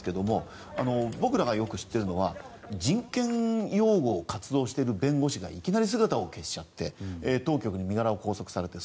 僕らがよく知っているのは人権擁護活動している弁護士がいきなり姿を消しちゃって当局に身柄を拘束されて。